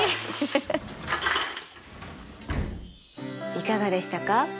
いかがでしたか？